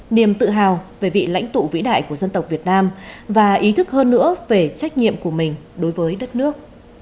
niềm tự hào về vị lãnh tụ vĩ đại của dân tộc việt nam và ý thức hơn nữa về trách nhiệm của mình đối với đất nước